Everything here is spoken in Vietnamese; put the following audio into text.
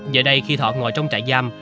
giờ đây khi thọ ngồi trong trại giam